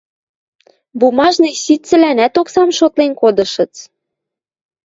Бумажный ситцӹлӓнӓт оксам шотлен кодышыц.